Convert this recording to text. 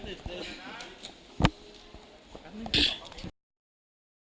ดี